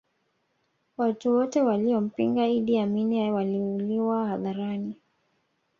watu wote waliompinga iddi amini waliuliwa hadharani